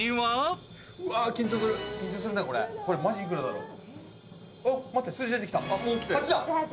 これ、マジいくらだろう。